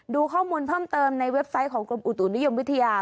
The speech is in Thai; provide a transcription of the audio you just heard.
ดูข้อมูลเพิ่มเติมในเว็บไซต์ของกรมอุตุนิยมวิทยา